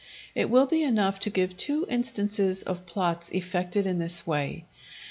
It will be enough to give two instances of plots effected in this way.